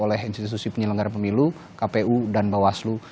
oleh institusi penyelenggara pemilu kpu dan bawaslu